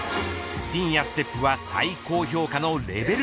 スピンやステップは最高評価のレベル